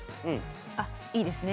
あっいいですね。